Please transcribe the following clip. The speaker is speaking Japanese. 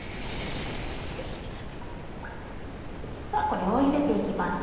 これをゆでて行きます。